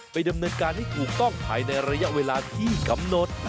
ดำเนินการให้ถูกต้องภายในระยะเวลาที่กำหนด